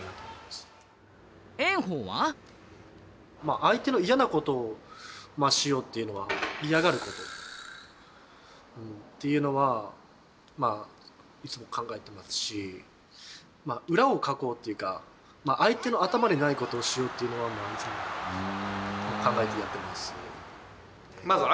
相手の嫌なことをしようっていうのは嫌がることっていうのはいつも考えてますし裏をかこうっていうか相手の頭にないことをしようっていうのはいつも考えてやってます。